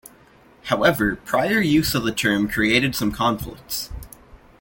However, prior use of the term created some conflicts.